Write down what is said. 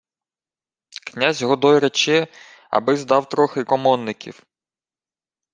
— Князь Годой рече, аби-с дав трохи комонників!